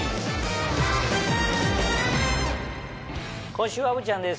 今週は虻ちゃんです